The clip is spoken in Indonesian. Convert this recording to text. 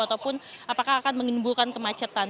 ataupun apakah akan menimbulkan kemacetan